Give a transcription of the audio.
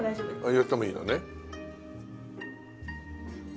入れてもいいのね。